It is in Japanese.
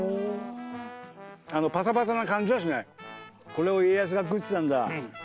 これを家康が食ってたんだ。